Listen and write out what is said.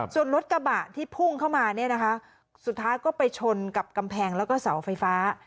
ส่วนรถกระบะที่พุ่งเข้ามาเนี่ยนะคะสุดท้ายก็ไปชนกับกำแพงแล้วก็เสาไฟฟ้า